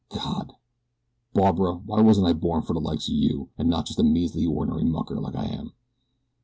God! Barbara why wasn't I born for the likes of you, and not just a measly, ornery mucker like I am.